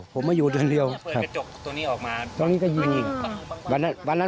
บ่อยขนาดไหนเอาที่เราสัมผัส